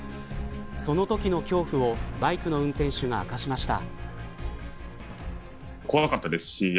そのときの恐怖をバイクの運転手が明かしました。